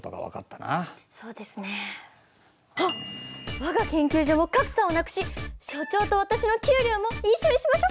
我が研究所も格差をなくし所長と私の給料も一緒にしましょ！